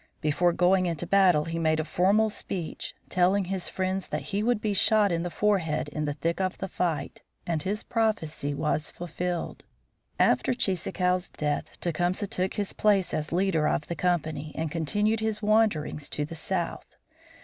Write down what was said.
Before going into battle he made a formal speech, telling his friends that he would be shot in the forehead in the thick of the fight, and his prophecy was fulfilled. After Cheeseekau's death Tecumseh took his place as leader of the company and continued his wanderings to the South.